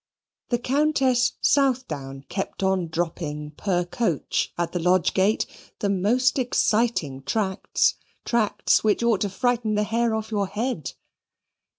The Countess Southdown kept on dropping per coach at the lodge gate the most exciting tracts, tracts which ought to frighten the hair off your head.